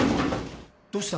どうした？